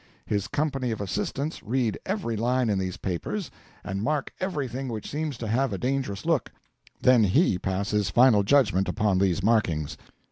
His company of assistants read every line in these papers, and mark everything which seems to have a dangerous look; then he passes final judgment upon these markings.